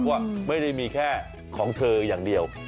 ว่าไม่ได้มีแค่ของเธออย่างเดียว